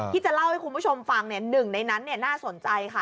ที่จะเล่าให้คุณผู้ชมฟังหนึ่งในนั้นน่าสนใจค่ะ